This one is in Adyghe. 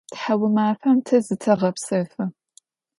Тхьаумафэм тэ зытэгъэпсэфы.